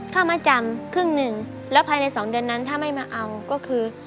มาจำครึ่งหนึ่งแล้วภายใน๒เดือนนั้นถ้าไม่มาเอาก็คือ